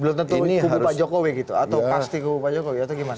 belum tentu kubu pak jokowi gitu atau pasti kubu pak jokowi atau gimana